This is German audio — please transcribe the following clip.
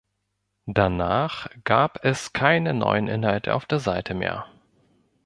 Danach gab es keine neuen Inhalte auf der Seite mehr.